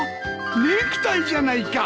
ネクタイじゃないか！